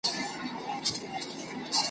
د دښمن پر زړه وهلی بیرغ غواړم ,